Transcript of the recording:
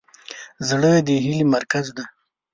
زړه د هیلې مرکز دی.